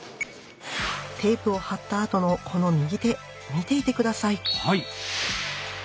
テープを貼ったあとのこの右手見ていてください。